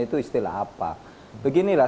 itu istilah apa beginilah